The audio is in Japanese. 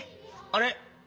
あれ？